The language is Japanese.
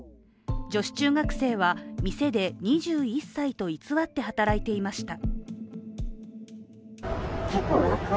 女子中学生は、店で２１歳と偽って働いていました。